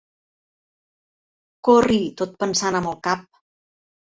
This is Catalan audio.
Corri tot pensant amb el cap.